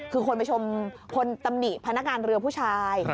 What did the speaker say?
คือคนไปชมคนตำหนิพนักงานเรือผู้ชาย